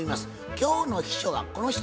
今日の秘書はこの人。